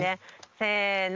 せの。